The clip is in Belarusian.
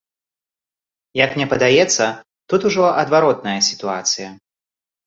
Як мне падаецца, тут ужо адваротная сітуацыя.